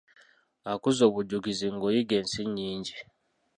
Akuza obujjukizi ng'oyiga ensi nnyingi.